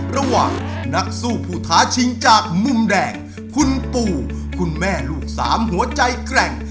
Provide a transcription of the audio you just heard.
ระหว่างนักสู้ผู้ท้าชิงจากมุมแดงคุณปู่คุณแม่ลูกสามหัวใจแกร่ง